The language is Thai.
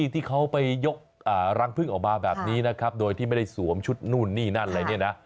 ที่เขาไปยกรังพึ่งออกมาแบบนี้นะครับโดยที่ไม่ได้สวมชุดนู่นนี่นั่นอะไรเนี่ยนะ